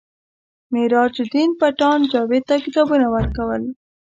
میراج الدین پټان جاوید ته کتابونه ورکول